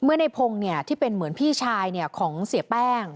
เมื่อในภงรถินตูเป็นเหมือนพี่ชายของเซียแป้ง